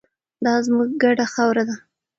دا زموږ ګډه خاوره ده.